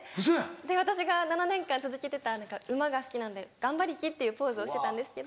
私が７年間続けてた馬が好きなんで「がんばりき」っていうポーズをしてたんですけど。